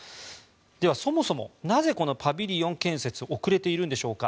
では、そもそもなぜこのパビリオン建設が遅れているのでしょうか。